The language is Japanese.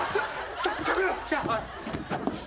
来た？